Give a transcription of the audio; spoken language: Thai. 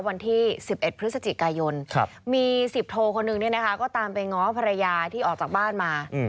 วันที่๑๑พฤศจิกายนมี๑๐โทคนหนึ่งก็ตามไปง้อภรรยาที่ออกจากบ้านมา